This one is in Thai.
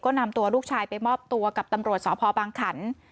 ก็นำตัวลูกชายไปมอบตัวกับตำรวจสพบางขัน